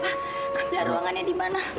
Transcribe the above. camilla ruangannya dimana